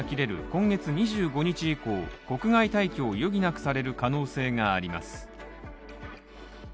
今月２５日以降国外退去を余儀なくされる可能性があります。